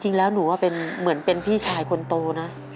จริงแล้วหนูว่าเป็นเหมือนเป็นพี่ชายคนโตนะ